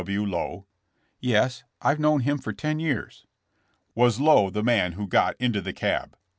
W. Lowe?" "Yes; I've known him for ten years." "Was Lowe the man who got into the cab?"